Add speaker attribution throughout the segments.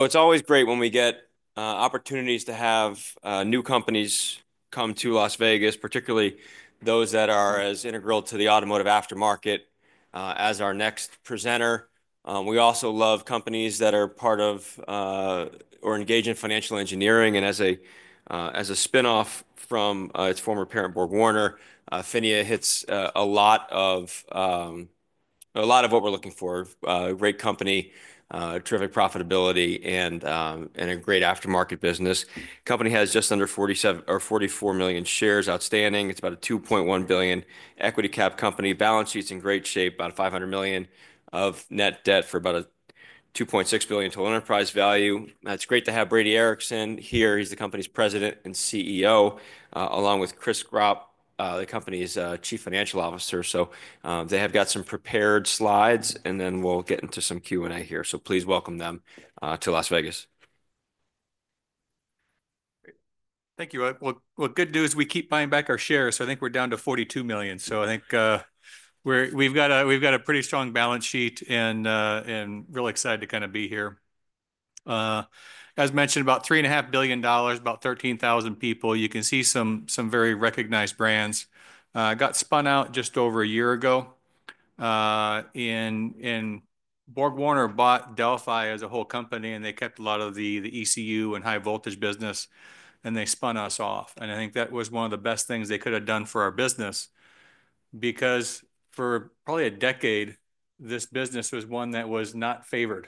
Speaker 1: It's always great when we get opportunities to have new companies come to Las Vegas, particularly those that are as integral to the automotive aftermarket as our next presenter. We also love companies that are part of or engage in financial engineering. And as a spinoff from its former parent, BorgWarner, PHINIA hits a lot of a lot of what we're looking for: a great company, terrific profitability, and a great aftermarket business. The company has just under 47 or 44 million shares outstanding. It's about a $2.1 billion equity cap company. Balance sheet's in great shape, about $500 million of net debt for about a $2.6 billion total enterprise value. It's great to have Brady Ericson here. He's the company's President and CEO, along with Chris Gropp, the company's Chief Financial Officer. So they have got some prepared slides, and then we'll get into some Q&A here. Please welcome them to Las Vegas.
Speaker 2: Thank you. Well, good news. We keep buying back our shares. So I think we're down to 42 million. So I think we've got a pretty strong balance sheet and really excited to kind of be here. As mentioned, about $3.5 billion, about 13,000 people. You can see some very recognized brands. Got spun out just over a year ago. And BorgWarner bought Delphi as a whole company, and they kept a lot of the ECU and high voltage business, and they spun us off. And I think that was one of the best things they could have done for our business because for probably a decade, this business was one that was not favored.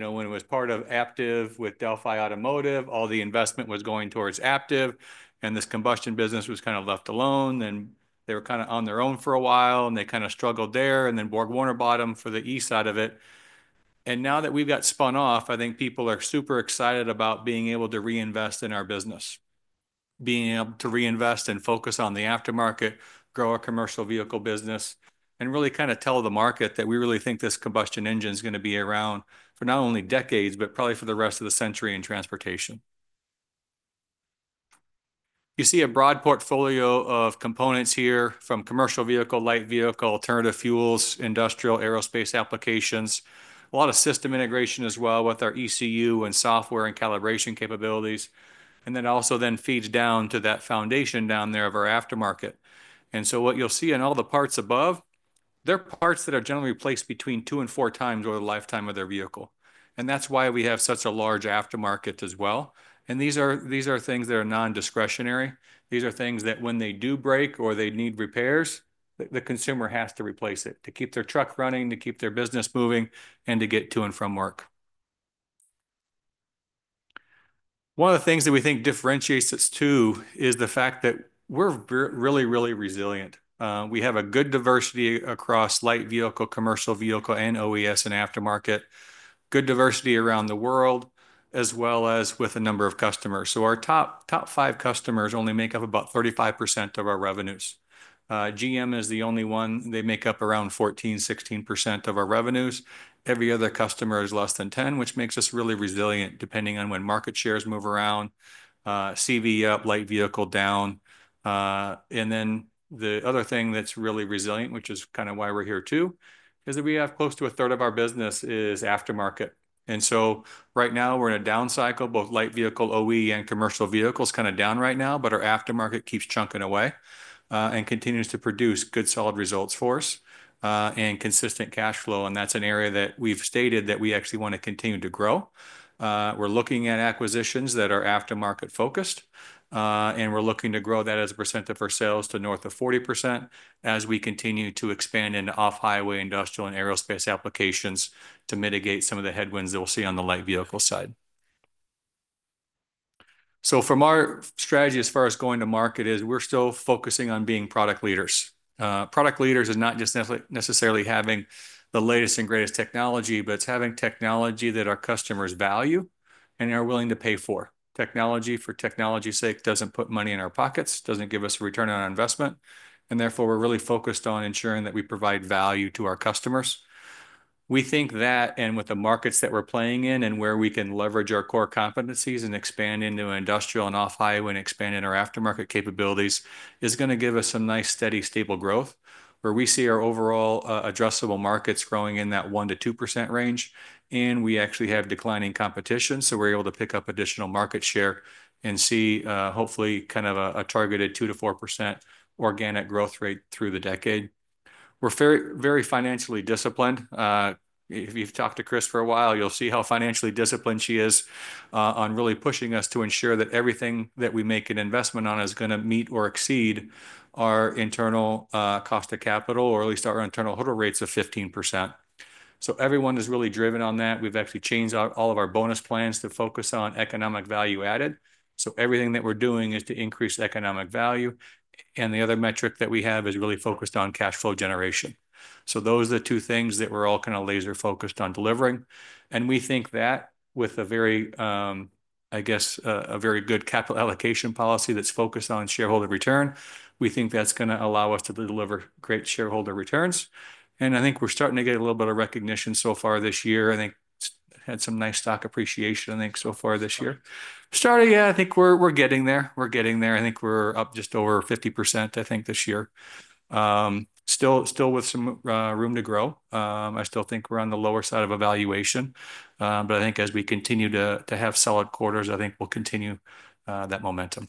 Speaker 2: When it was part of Aptiv with Delphi Automotive, all the investment was going towards Aptiv, and this combustion business was kind of left alone. They were kind of on their own for a while, and they kind of struggled there. Then BorgWarner bought them for the E-side of it. Now that we've got spun off, I think people are super excited about being able to reinvest in our business, being able to reinvest and focus on the aftermarket, grow a commercial vehicle business, and really kind of tell the market that we really think this combustion engine is going to be around for not only decades, but probably for the rest of the century in transportation. You see a broad portfolio of components here from commercial vehicle, light vehicle, alternative fuels, industrial aerospace applications, a lot of system integration as well with our ECU and software and calibration capabilities, and then also feeds down to that foundation down there of our aftermarket. And so what you'll see in all the parts above, they're parts that are generally placed between two and four times over the lifetime of their vehicle. And that's why we have such a large aftermarket as well. And these are things that are non-discretionary. These are things that when they do break or they need repairs, the consumer has to replace it to keep their truck running, to keep their business moving, and to get to and from work. One of the things that we think differentiates us too is the fact that we're really, really resilient. We have a good diversity across light vehicle, commercial vehicle, and OES and aftermarket, good diversity around the world, as well as with a number of customers. So our top five customers only make up about 35% of our revenues. GM is the only one. They make up around 14% to 16% of our revenues. Every other customer is less than 10%, which makes us really resilient depending on when market shares move around, CV up, light vehicle down. Then the other thing that's really resilient, which is kind of why we're here too, is that we have close to a third of our business is aftermarket. So right now we're in a down cycle. Both light vehicle, OE, and commercial vehicles kind of down right now, but our aftermarket keeps chunking away and continues to produce good solid results for us and consistent cash flow. That's an area that we've stated that we actually want to continue to grow. We're looking at acquisitions that are aftermarket focused, and we're looking to grow that as a percent of our sales to north of 40% as we continue to expand into off-highway industrial and aerospace applications to mitigate some of the headwinds that we'll see on the light vehicle side. So from our strategy as far as going to market is we're still focusing on being product leaders. Product leaders is not just necessarily having the latest and greatest technology, but it's having technology that our customers value and are willing to pay for. Technology for technology's sake doesn't put money in our pockets, doesn't give us a return on our investment. And therefore, we're really focused on ensuring that we provide value to our customers. We think that, and with the markets that we're playing in and where we can leverage our core competencies and expand into industrial and off-highway and expand into our aftermarket capabilities, is going to give us some nice, steady, stable growth where we see our overall addressable markets growing in that 1% to 2% range. We actually have declining competition, so we're able to pick up additional market share and see hopefully kind of a targeted 2% to 4% organic growth rate through the decade. We're very financially disciplined. If you've talked to Chris for a while, you'll see how financially disciplined she is on really pushing us to ensure that everything that we make an investment on is going to meet or exceed our internal cost of capital or at least our internal hurdle rates of 15%. Everyone is really driven on that. We've actually changed out all of our bonus plans to focus on Economic Value Added. So everything that we're doing is to increase economic value. And the other metric that we have is really focused on cash flow generation. So those are the two things that we're all kind of laser-focused on delivering. And we think that with a very, I guess, a very good capital allocation policy that's focused on shareholder return, we think that's going to allow us to deliver great shareholder returns. And I think we're starting to get a little bit of recognition so far this year. I think it's had some nice stock appreciation, I think, so far this year. Starting, yeah, I think we're getting there. We're getting there. I think we're up just over 50%, I think, this year. Still with some room to grow. I still think we're on the lower side of a valuation, but I think as we continue to have solid quarters, I think we'll continue that momentum.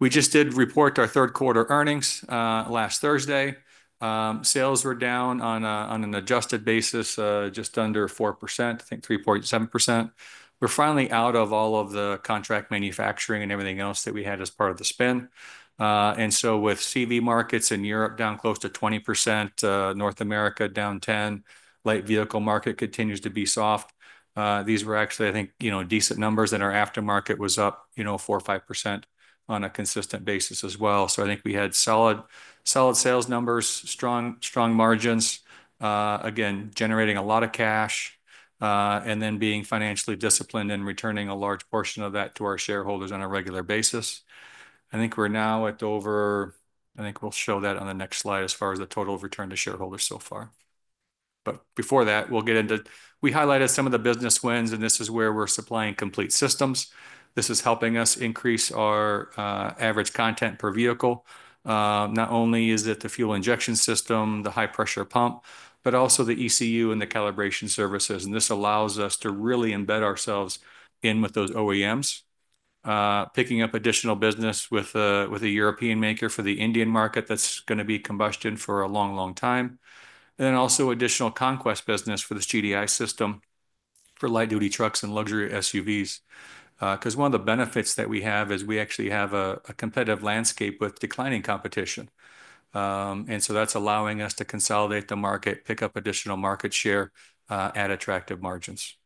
Speaker 2: We just did report our third quarter earnings last Thursday. Sales were down on an adjusted basis just under 4%, I think 3.7%. We're finally out of all of the contract manufacturing and everything else that we had as part of the spin. And so with CV markets in Europe down close to 20%, North America down 10%, light vehicle market continues to be soft. These were actually, I think, decent numbers and our aftermarket was up 4% to 5% on a consistent basis as well. So I think we had solid sales numbers, strong margins, again, generating a lot of cash, and then being financially disciplined and returning a large portion of that to our shareholders on a regular basis. I think we're now at over, I think we'll show that on the next slide as far as the total return to shareholders so far, but before that, we'll get into. We highlighted some of the business wins, and this is where we're supplying complete systems. This is helping us increase our average content per vehicle. Not only is it the fuel injection system, the high-pressure pump, but also the ECU and the calibration services, and this allows us to really embed ourselves in with those OEMs, picking up additional business with a European maker for the Indian market that's going to be combustion for a long, long time, and then also additional conquest business for the GDI system for light-duty trucks and luxury SUVs. Because one of the benefits that we have is we actually have a competitive landscape with declining competition. And so that's allowing us to consolidate the market, pick up additional market share at attractive margins.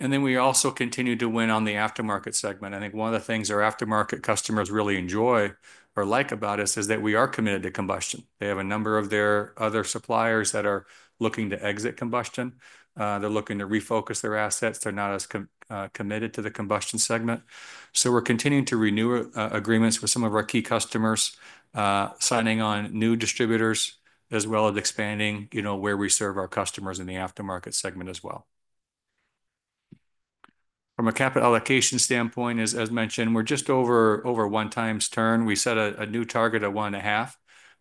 Speaker 2: And then we also continue to win on the aftermarket segment. I think one of the things our aftermarket customers really enjoy or like about us is that we are committed to combustion. They have a number of their other suppliers that are looking to exit combustion. They're looking to refocus their assets. They're not as committed to the combustion segment. So we're continuing to renew agreements with some of our key customers, signing on new distributors, as well as expanding where we serve our customers in the aftermarket segment as well. From a capital allocation standpoint, as mentioned, we're just over one times turn. We set a new target of one and a half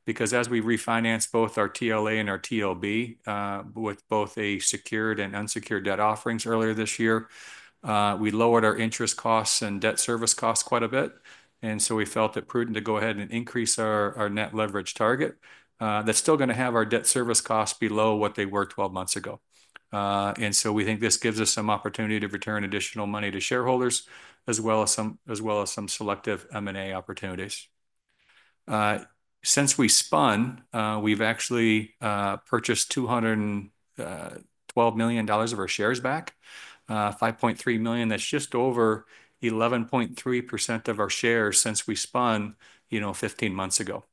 Speaker 2: because as we refinanced both our TLA and our TLB with both a secured and unsecured debt offerings earlier this year, we lowered our interest costs and debt service costs quite a bit, and so we felt it prudent to go ahead and increase our net leverage target. That's still going to have our debt service costs below what they were 12 months ago, and so we think this gives us some opportunity to return additional money to shareholders as well as some selective M&A opportunities. Since we spun, we've actually purchased $212 million of our shares back, 5.3 million. That's just over 11.3% of our shares since we spun 15 months ago,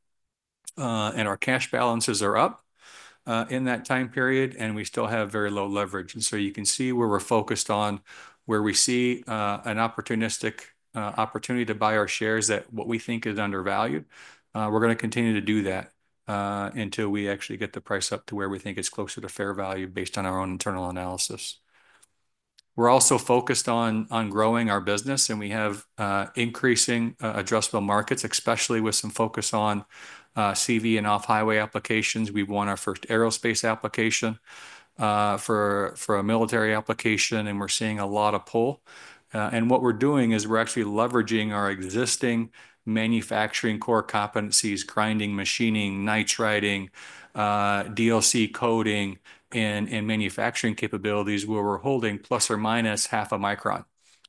Speaker 2: and our cash balances are up in that time period, and we still have very low leverage. And so you can see where we're focused on where we see an opportunity to buy our shares that what we think is undervalued. We're going to continue to do that until we actually get the price up to where we think it's closer to fair value based on our own internal analysis. We're also focused on growing our business, and we have increasing addressable markets, especially with some focus on CV and off-highway applications. We won our first aerospace application for a military application, and we're seeing a lot of pull. And what we're doing is we're actually leveraging our existing manufacturing core competencies: grinding, machining, nitriding, DLC coating, and manufacturing capabilities where we're holding plus or minus half a micron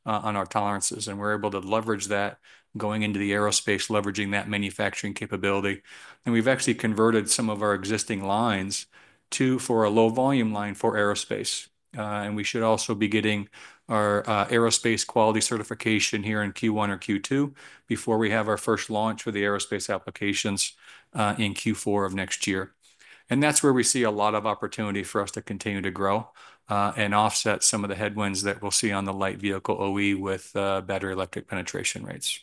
Speaker 2: on our tolerances. And we're able to leverage that going into the aerospace, leveraging that manufacturing capability. We've actually converted some of our existing lines to for a low-volume line for aerospace. We should also be getting our aerospace quality certification here in Q1 or Q2 before we have our first launch for the aerospace applications in Q4 of next year. That's where we see a lot of opportunity for us to continue to grow and offset some of the headwinds that we'll see on the light vehicle OE with better electric penetration rates.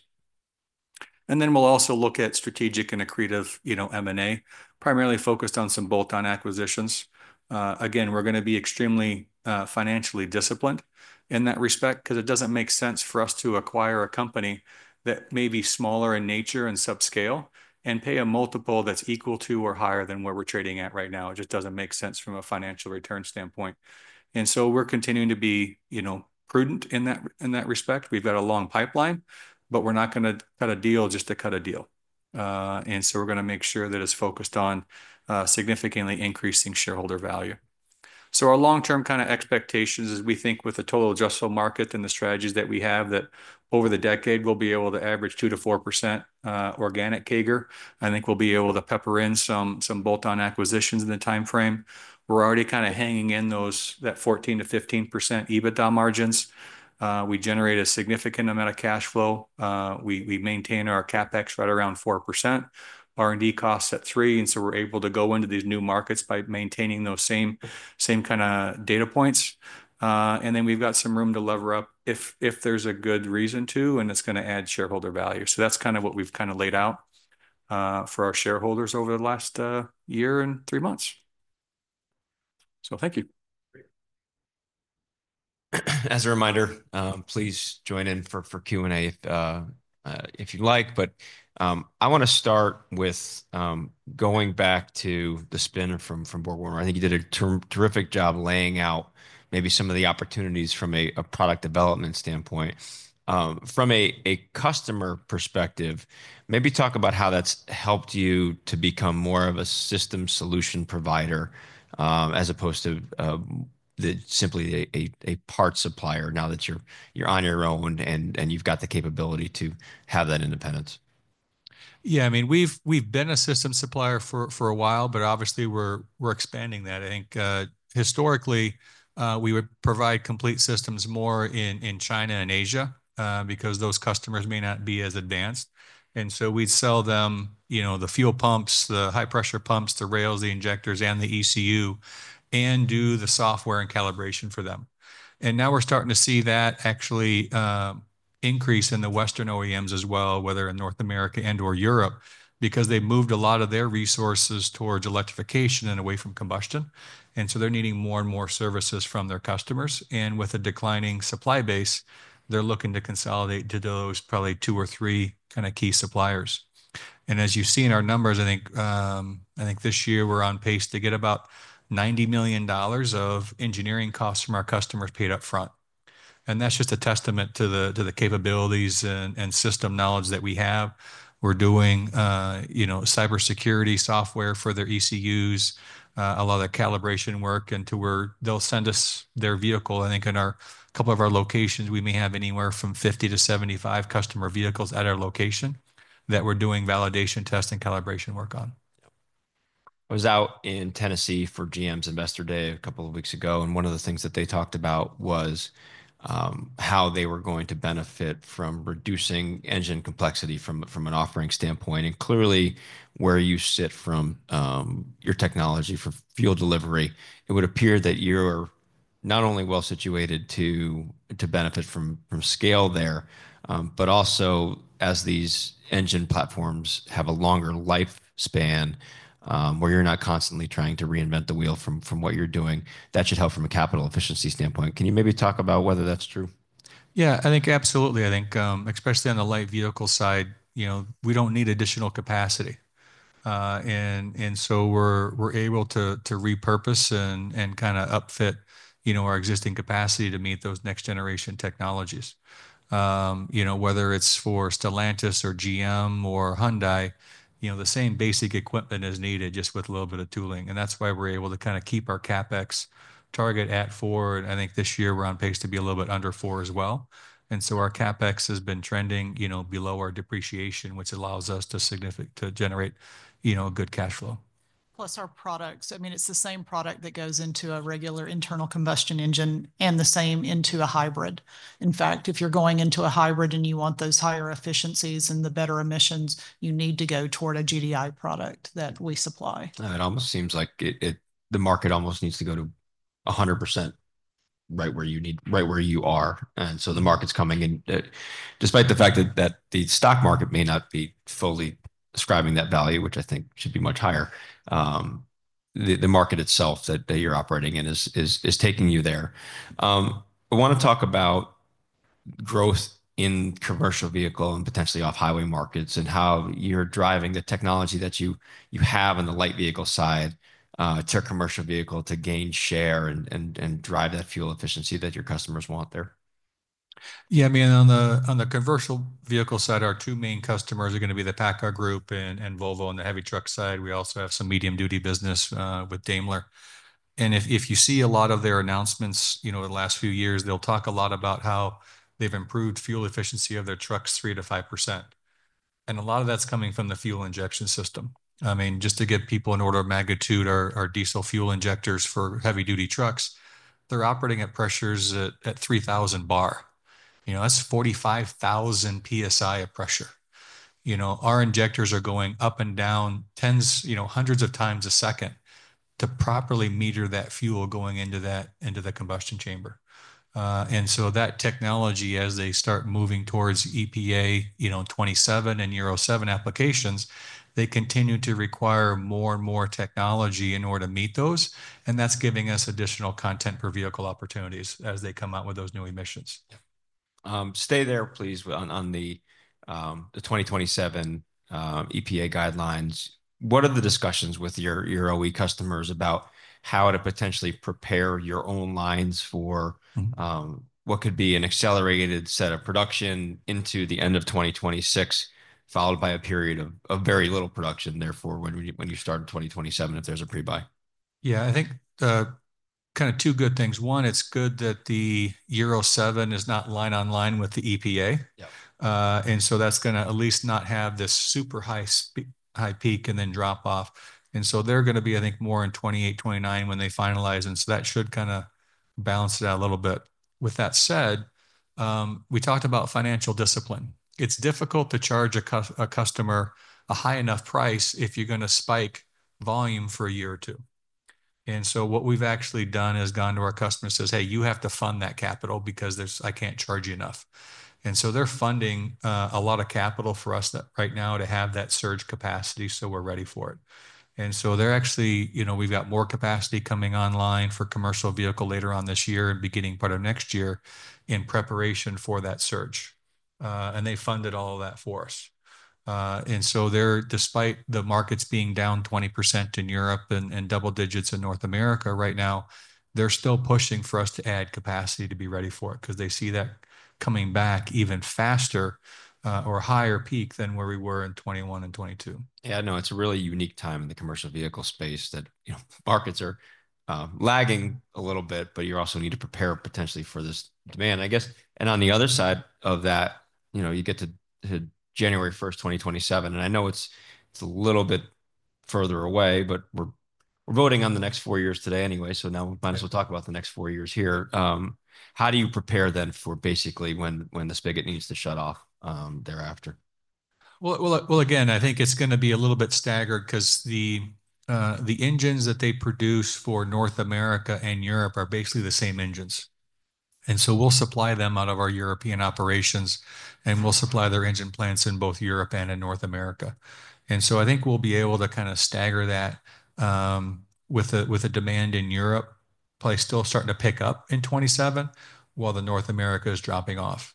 Speaker 2: We'll also look at strategic and accretive M&A, primarily focused on some bolt-on acquisitions. Again, we're going to be extremely financially disciplined in that respect because it doesn't make sense for us to acquire a company that may be smaller in nature and subscale and pay a multiple that's equal to or higher than what we're trading at right now. It just doesn't make sense from a financial return standpoint. And so we're continuing to be prudent in that respect. We've got a long pipeline, but we're not going to cut a deal just to cut a deal. And so we're going to make sure that it's focused on significantly increasing shareholder value. So our long-term kind of expectations is we think with the total addressable market and the strategies that we have that over the decade, we'll be able to average 2% to 4% organic CAGR. I think we'll be able to pepper in some bolt-on acquisitions in the timeframe. We're already kind of hanging in those 14% to 15% EBITDA margins. We generate a significant amount of cash flow. We maintain our CapEx right around 4%. R&D costs at 3%. And so we're able to go into these new markets by maintaining those same kind of data points. And then we've got some room to lever up if there's a good reason to, and it's going to add shareholder value. So that's kind of what we've kind of laid out for our shareholders over the last year and three months. So thank you. As a reminder, please join in for Q&A if you'd like. But I want to start with going back to the spin from BorgWarner. I think you did a terrific job laying out maybe some of the opportunities from a product development standpoint. From a customer perspective, maybe talk about how that's helped you to become more of a system solution provider as opposed to simply a part supplier now that you're on your own and you've got the capability to have that independence. Yeah, I mean, we've been a system supplier for a while, but obviously we're expanding that. I think historically, we would provide complete systems more in China and Asia because those customers may not be as advanced, and so we'd sell them the fuel pumps, the high-pressure pumps, the rails, the injectors, and the ECU, and do the software and calibration for them, and now we're starting to see that actually increase in the Western OEMs as well, whether in North America and/or Europe, because they moved a lot of their resources towards electrification and away from combustion, and so they're needing more and more services from their suppliers, with a declining supply base, they're looking to consolidate to those probably two or three kind of key suppliers. And as you see in our numbers, I think this year we're on pace to get about $90 million of engineering costs from our customers paid upfront. And that's just a testament to the capabilities and system knowledge that we have. We're doing cybersecurity software for their ECUs, a lot of calibration work, and to where they'll send us their vehicle. I think in a couple of our locations, we may have anywhere from 50 to 75 customer vehicles at our location that we're doing validation, testing, calibration work on. I was out in Tennessee for GM's Investor Day a couple of weeks ago, and one of the things that they talked about was how they were going to benefit from reducing engine complexity from an offering standpoint. And clearly, where you sit from your technology for fuel delivery, it would appear that you're not only well situated to benefit from scale there, but also as these engine platforms have a longer lifespan where you're not constantly trying to reinvent the wheel from what you're doing, that should help from a capital efficiency standpoint. Can you maybe talk about whether that's true? Yeah, I think absolutely. I think especially on the light vehicle side, we don't need additional capacity. And so we're able to repurpose and kind of upfit our existing capacity to meet those next-generation technologies. Whether it's for Stellantis or GM or Hyundai, the same basic equipment is needed just with a little bit of tooling. And that's why we're able to kind of keep our CapEx target at four. I think this year we're on pace to be a little bit under four as well. So our CapEx has been trending below our depreciation, which allows us to generate good cash flow.
Speaker 3: Plus our products. I mean, it's the same product that goes into a regular internal combustion engine and the same into a hybrid. In fact, if you're going into a hybrid and you want those higher efficiencies and the better emissions, you need to go toward a GDI product that we supply.
Speaker 2: It almost seems like the market almost needs to go to 100% right where you are. So the market's coming in, despite the fact that the stock market may not be fully describing that value, which I think should be much higher. The market itself that you're operating in is taking you there. I want to talk about growth in commercial vehicle and potentially off-highway markets and how you're driving the technology that you have on the light vehicle side to commercial vehicle to gain share and drive that fuel efficiency that your customers want there. Yeah, I mean, on the commercial vehicle side, our two main customers are going to be the PACCAR Group and Volvo on the heavy truck side. We also have some medium-duty business with Daimler. And if you see a lot of their announcements the last few years, they'll talk a lot about how they've improved fuel efficiency of their trucks 3% to 5%. And a lot of that's coming from the fuel injection system. I mean, just to give people an order of magnitude, our diesel fuel injectors for heavy-duty trucks, they're operating at pressures at 3,000 bar. That's 45,000 PSI of pressure. Our injectors are going up and down hundreds of times a second to properly meter that fuel going into the combustion chamber, and so that technology, as they start moving towards EPA 27 and Euro 7 applications, they continue to require more and more technology in order to meet those, and that's giving us additional content per vehicle opportunities as they come out with those new emissions. Stay there, please, on the 2027 EPA guidelines. What are the discussions with your OE customers about how to potentially prepare your own lines for what could be an accelerated set of production into the end of 2026, followed by a period of very little production, therefore, when you start in 2027, if there's a pre-buy? Yeah, I think kind of two good things. One, it's good that the Euro 7 is not line on line with the EPA. And so that's going to at least not have this super high peak and then drop off. And so they're going to be, I think, more in 2028, 2029 when they finalize. And so that should kind of balance it out a little bit. With that said, we talked about financial discipline. It's difficult to charge a customer a high enough price if you're going to spike volume for a year or two. And so what we've actually done is gone to our customers and says, "Hey, you have to fund that capital because I can't charge you enough." And so they're funding a lot of capital for us right now to have that surge capacity so we're ready for it. And so they're actually. We've got more capacity coming online for commercial vehicle later on this year and beginning part of next year in preparation for that surge. And they funded all of that for us. And so despite the markets being down 20% in Europe and double digits in North America right now, they're still pushing for us to add capacity to be ready for it because they see that coming back even faster or higher peak than where we were in 2021 and 2022. Yeah, no, it's a really unique time in the commercial vehicle space that markets are lagging a little bit, but you also need to prepare potentially for this demand, I guess. And on the other side of that, you get to 1 January 2027. And I know it's a little bit further away, but we're voting on the next four years today anyway. So now we might as well talk about the next four years here. How do you prepare then for basically when the spigot needs to shut off thereafter? Again, I think it's going to be a little bit staggered because the engines that they produce for North America and Europe are basically the same engines. And so we'll supply them out of our European operations, and we'll supply their engine plants in both Europe and in North America. And so I think we'll be able to kind of stagger that with a demand in Europe probably still starting to pick up in 2027 while North America is dropping off.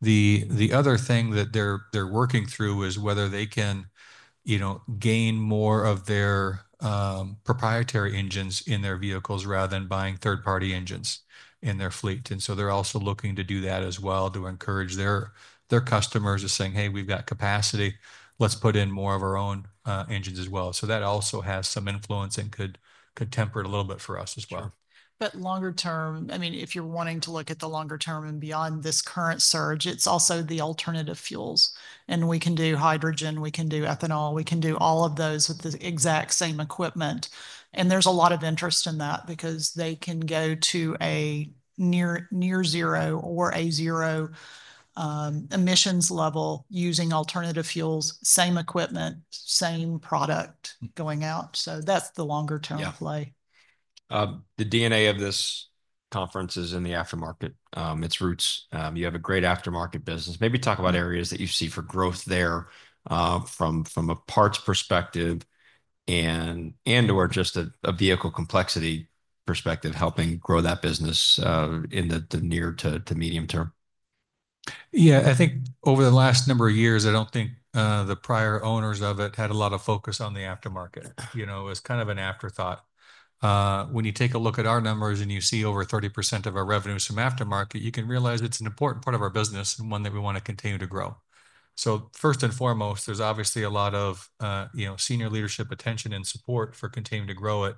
Speaker 2: The other thing that they're working through is whether they can gain more of their proprietary engines in their vehicles rather than buying third-party engines in their fleet. And so they're also looking to do that as well to encourage their customers to saying, "Hey, we've got capacity. Let's put in more of our own engines as well," so that also has some influence and could temper it a little bit for us as well,
Speaker 3: but longer term, I mean, if you're wanting to look at the longer term and beyond this current surge, it's also the alternative fuels, and we can do hydrogen, we can do ethanol, we can do all of those with the exact same equipment, and there's a lot of interest in that because they can go to a near-zero or a zero emissions level using alternative fuels, same equipment, same product going out, so that's the longer-term play. The DNA of this conference is in the aftermarket. Its roots. You have a great aftermarket business. Maybe talk about areas that you see for growth there from a parts perspective and/or just a vehicle complexity perspective helping grow that business in the near to medium term.
Speaker 2: Yeah, I think over the last number of years, I don't think the prior owners of it had a lot of focus on the aftermarket. It was kind of an afterthought. When you take a look at our numbers and you see over 30% of our revenues from aftermarket, you can realize it's an important part of our business and one that we want to continue to grow. So first and foremost, there's obviously a lot of senior leadership attention and support for continuing to grow it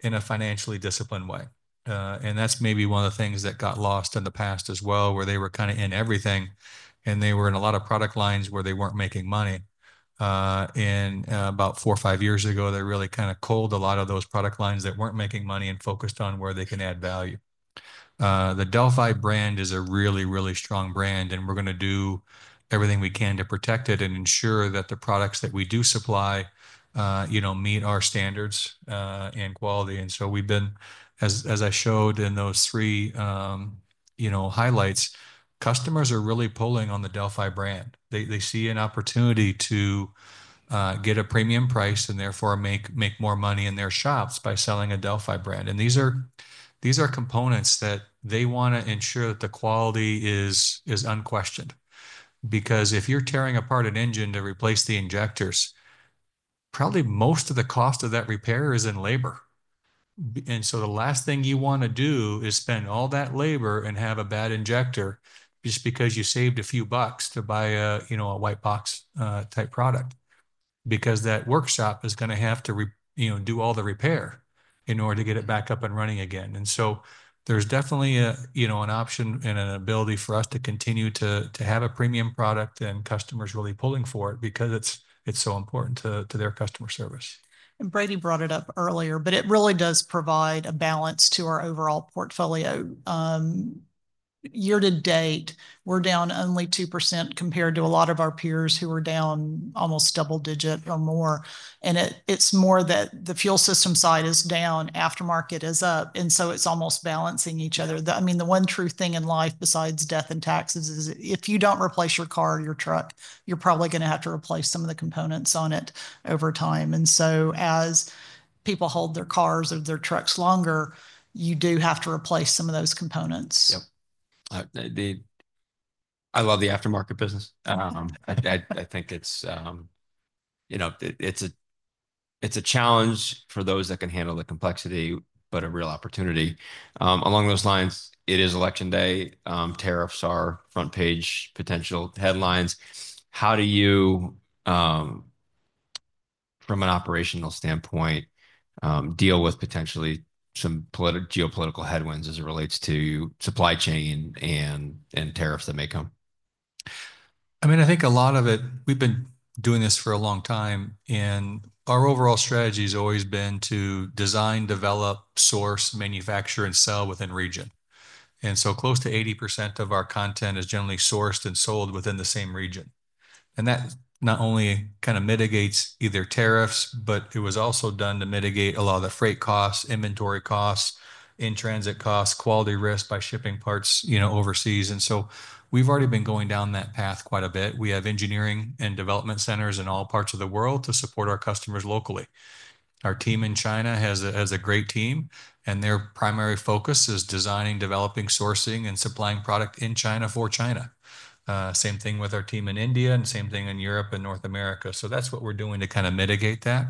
Speaker 2: in a financially disciplined way. That's maybe one of the things that got lost in the past as well, where they were kind of in everything, and they were in a lot of product lines where they weren't making money. About four or five years ago, they really kind of culled a lot of those product lines that weren't making money and focused on where they can add value. The Delphi brand is a really, really strong brand, and we're going to do everything we can to protect it and ensure that the products that we do supply meet our standards and quality. So we've been, as I showed in those three highlights, customers are really pulling on the Delphi brand. They see an opportunity to get a premium price and therefore make more money in their shops by selling a Delphi brand. These are components that they want to ensure that the quality is unquestioned. Because if you're tearing apart an engine to replace the injectors, probably most of the cost of that repair is in labor. And so the last thing you want to do is spend all that labor and have a bad injector just because you saved a few bucks to buy a white box type product. Because that workshop is going to have to do all the repair in order to get it back up and running again. And so there's definitely an option and an ability for us to continue to have a premium product and customers really pulling for it because it's so important to their customer service.
Speaker 3: And Brady brought it up earlier, but it really does provide a balance to our overall portfolio. Year to date, we're down only 2% compared to a lot of our peers who are down almost double-digit or more. It's more that the fuel system side is down, aftermarket is up. So it's almost balancing each other. I mean, the one true thing in life besides death and taxes is if you don't replace your car or your truck, you're probably going to have to replace some of the components on it over time. So as people hold their cars or their trucks longer, you do have to replace some of those components. Yep. I love the aftermarket business. I think it's a challenge for those that can handle the complexity, but a real opportunity. Along those lines, it is Election Day. Tariffs are front-page potential headlines. How do you, from an operational standpoint, deal with potentially some geopolitical headwinds as it relates to supply chain and tariffs that may come?
Speaker 2: I mean, I think a lot of it, we've been doing this for a long time, and our overall strategy has always been to design, develop, source, manufacture, and sell within region. And so close to 80% of our content is generally sourced and sold within the same region. And that not only kind of mitigates either tariffs, but it was also done to mitigate a lot of the freight costs, inventory costs, in-transit costs, quality risk by shipping parts overseas. And so we've already been going down that path quite a bit. We have engineering and development centers in all parts of the world to support our customers locally. Our team in China has a great team, and their primary focus is designing, developing, sourcing, and supplying product in China for China. Same thing with our team in India and same thing in Europe and North America. So that's what we're doing to kind of mitigate that.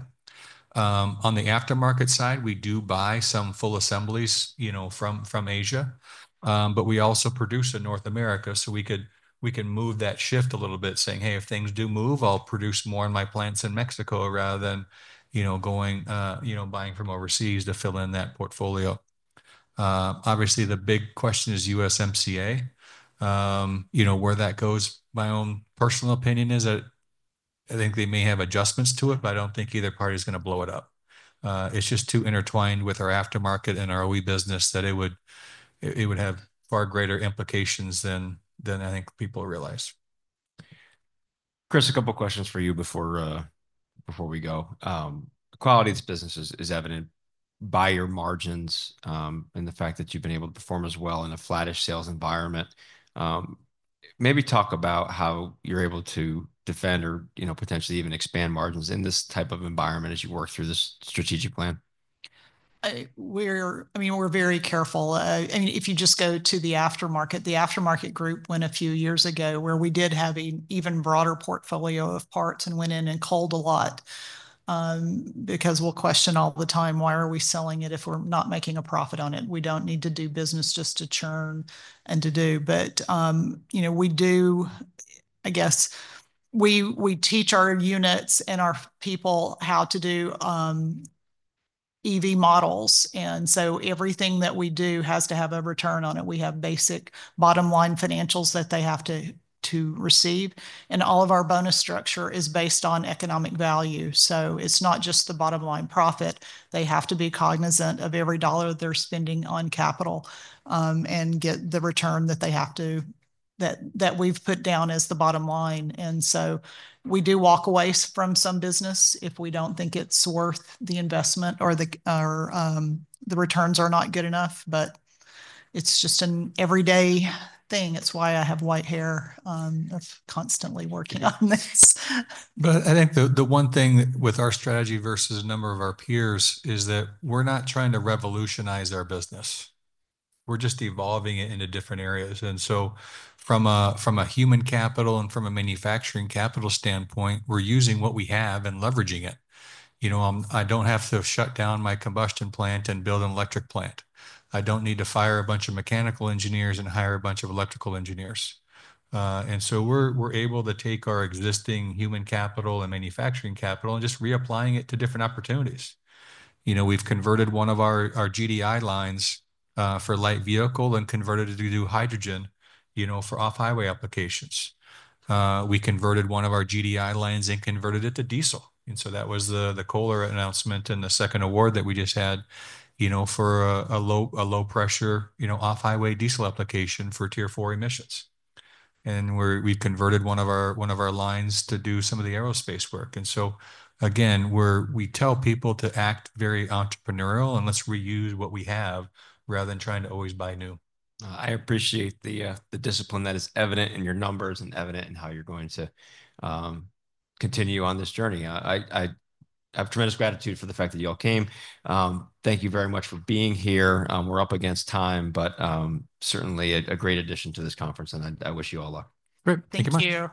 Speaker 2: On the aftermarket side, we do buy some full assemblies from Asia, but we also produce in North America so we can move that shift a little bit, saying, "Hey, if things do move, I'll produce more in my plants in Mexico rather than buying from overseas to fill in that portfolio." Obviously, the big question is USMCA. Where that goes, my own personal opinion is that I think they may have adjustments to it, but I don't think either party is going to blow it up. It's just too intertwined with our aftermarket and our OE business that it would have far greater implications than I think people realize. Chris, a couple of questions for you before we go. Quality of this business is evident by your margins and the fact that you've been able to perform as well in a flattish sales environment. Maybe talk about how you're able to defend or potentially even expand margins in this type of environment as you work through this strategic plan.
Speaker 3: I mean, we're very careful. I mean, if you just go to the aftermarket, the aftermarket group went a few years ago where we did have an even broader portfolio of parts and went in and culled a lot because we'll question all the time, "Why are we selling it if we're not making a profit on it? We don't need to do business just to churn and burn, but we do. I guess we teach our units and our people how to do EV models, and so everything that we do has to have a return on it. We have basic bottom-line financials that they have to receive, and all of our bonus structure is based on economic value, so it's not just the bottom-line profit. They have to be cognizant of every dollar they're spending on capital and get the return that we've put down as the bottom line, and so we do walk away from some business if we don't think it's worth the investment or the returns are not good enough, but it's just an everyday thing. It's why I have white hair. I'm constantly working on this.
Speaker 2: But I think the one thing with our strategy versus a number of our peers is that we're not trying to revolutionize our business. We're just evolving it into different areas. And so from a human capital and from a manufacturing capital standpoint, we're using what we have and leveraging it. I don't have to shut down my combustion plant and build an electric plant. I don't need to fire a bunch of mechanical engineers and hire a bunch of electrical engineers. And so we're able to take our existing human capital and manufacturing capital and just reapplying it to different opportunities. We've converted one of our GDI lines for light vehicle and converted it to do hydrogen for off-highway applications. We converted one of our GDI lines and converted it to diesel. And so that was the Kohler announcement and the second award that we just had for a low-pressure off-highway diesel application for Tier 4 emissions. And we converted one of our lines to do some of the aerospace work. And so, again, we tell people to act very entrepreneurial and let's reuse what we have rather than trying to always buy new. I appreciate the discipline that is evident in your numbers and evident in how you're going to continue on this journey. I have tremendous gratitude for the fact that you all came. Thank you very much for being here. We're up against time, but certainly a great addition to this conference, and I wish you all luck.
Speaker 3: Thank you much.